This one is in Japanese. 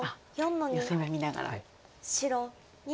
ヨセも見ながら。